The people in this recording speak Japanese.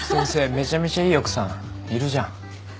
めちゃめちゃいい奥さんいるじゃん。